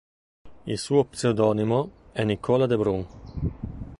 Il suo pseudonimo è Nicola de Brun.